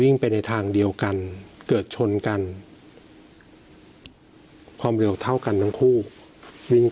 ไปในทางเดียวกันเกิดชนกันความเร็วเท่ากันทั้งคู่วิ่ง